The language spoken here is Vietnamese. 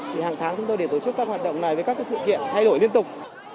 thì hàng tháng chúng tôi để tổ chức các hoạt động này với các sự kiện thay đổi liên tục